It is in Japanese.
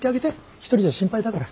一人じゃ心配だから。